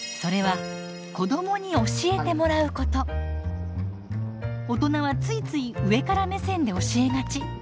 それは大人はついつい上から目線で教えがち。